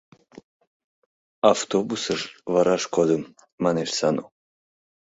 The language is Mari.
— Автобусыш вараш кодым, — манеш Сану.